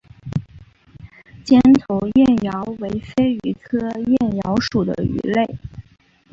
尖头燕鳐为飞鱼科燕鳐属的鱼类。